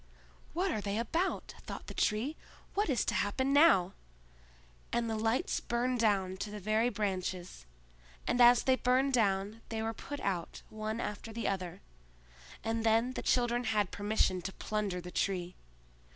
"What are they about?" thought the Tree. "What is to happen now!" And the lights burned down to the very branches, and as they burned down they were put out one after the other, and then the children had permission to plunder the Tree.